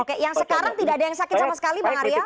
oke yang sekarang tidak ada yang sakit sama sekali bang arya